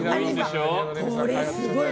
これすごい。